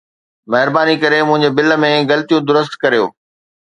مهرباني ڪري منهنجي بل ۾ غلطيون درست ڪريو